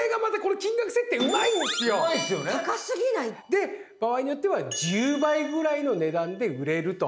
で場合によっては１０倍ぐらいの値段で売れると。